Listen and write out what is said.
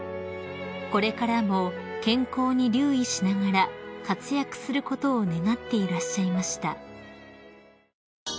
［これからも健康に留意しながら活躍することを願っていらっしゃいました］